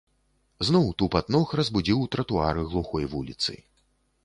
Зноў тупат ног разбудзіў тратуары глухой вуліцы.